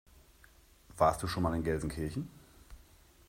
Warst du schon mal in Gelsenkirchen?